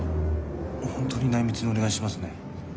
本当に内密にお願いしますね。